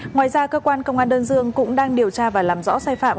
ngoài ra cơ quan công an đơn dương cũng đang điều tra và làm rõ sai phạm